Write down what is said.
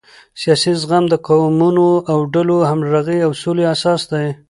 سیاسي زغم د قومونو او ډلو د همغږۍ او سولې اساس دی